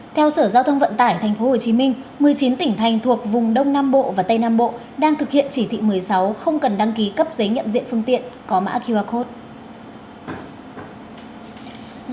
theo sở giao thông vận tải tp hcm một mươi chín tỉnh thành thuộc vùng đông nam bộ và tây nam bộ đang thực hiện chỉ thị một mươi sáu không cần đăng ký cấp giấy nhận diện phương tiện có mã qr code